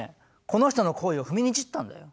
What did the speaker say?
この人の厚意を踏みにじったんだよ。